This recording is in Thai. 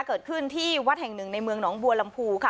เกิดขึ้นที่วัดแห่งหนึ่งในเมืองหนองบัวลำพูค่ะ